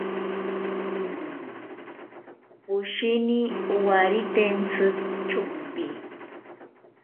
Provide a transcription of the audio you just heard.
Poshini owaritentsi chopi.